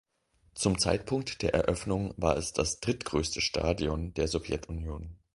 Zum Zeitpunkt der Eröffnung war es das drittgrößte Stadion der Sowjetunion.